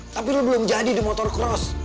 tapi lu belum jadi di motocross